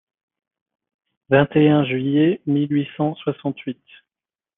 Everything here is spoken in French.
vingt et un juillet mille huit cent soixante-huit.